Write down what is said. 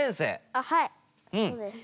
あはいそうです。